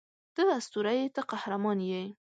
ته اسطوره یې ته قهرمان یې